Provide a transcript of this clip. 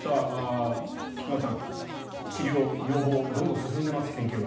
菊間さん、治療・予防研究はどんどん進んでいます。